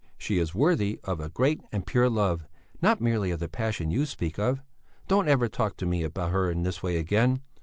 She is worthy of a great and pure love, not merely of the passion you speak of. Don't ever talk to me about her in this way again.